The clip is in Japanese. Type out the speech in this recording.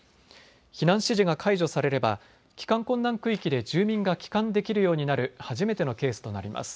避難指示が解除されれば帰還困難区域で住民が帰還できるようになる初めてのケースとなります。